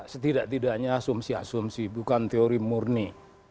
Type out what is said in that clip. setidak tidaknya asumsi asumsi bukan teori murni